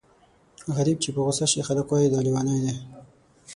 غريب چې په غوسه شي خلک وايي دا لېونی دی.